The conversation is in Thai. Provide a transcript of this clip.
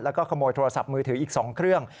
แล้วก็ขโมยโทรศัพท์มือถืออีก๒เครื่อง